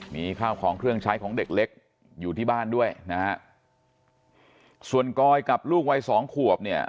มีข้าวของเครื่องใช้ของเด็กเล็กอยู่ที่บ้านด้วยนะฮะส่วนกอยกับลูกวัยสองขวบเนี่ย